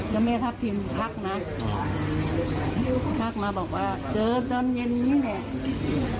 และแม่ทักทีนภักดิ์มาภักดิ์มาบอกว่าเจอจนเย็นนี้เนี่ย